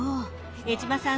江島さん